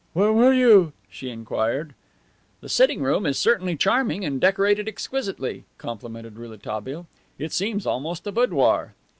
"Where were you?" she inquired. "The sitting room is certainly charming, and decorated exquisitely," complimented Rouletabille. "It seems almost a boudoir."